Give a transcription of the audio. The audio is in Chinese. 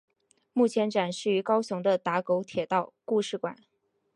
目前展示于高雄的打狗铁道故事馆。